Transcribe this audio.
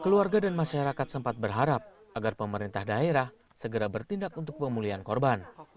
keluarga dan masyarakat sempat berharap agar pemerintah daerah segera bertindak untuk pemulihan korban